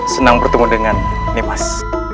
senang bertemu dengan nimas